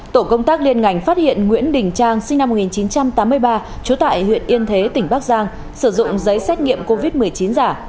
tổ công tác liên ngành phát hiện nguyễn đình trang sinh năm một nghìn chín trăm tám mươi ba trú tại huyện yên thế tỉnh bắc giang sử dụng giấy xét nghiệm covid một mươi chín giả